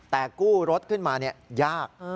แต่กู้รถขึ้นมายาก